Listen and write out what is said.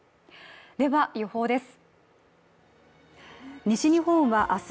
では、予報です。